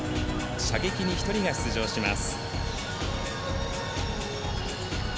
陸上に２人が出場します。